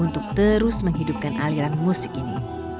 untuk terus menghidupkan aliran musik ini